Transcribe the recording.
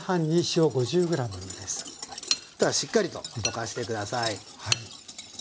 そしたらしっかりと溶かして下さい。